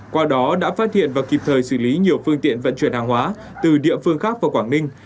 qua đó đã phát hiện và kịp thời xử lý nhiều phương tiện vận chuyển hàng hóa từ địa phương khác vào quảng ninh